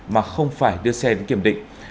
mà không phải đưa xe đến kiểm định